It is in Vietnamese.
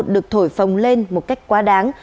được thổi phồng lên một cách quá đáng